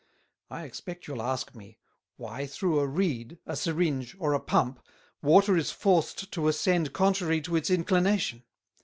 I expect you'll ask me, why through a Reed, a Syringe or a Pump, Water is forced to ascend contrary to its inclination?